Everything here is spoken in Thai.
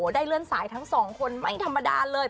ได้เลื่อนสายทั้งสองคนไม่ธรรมดาเลย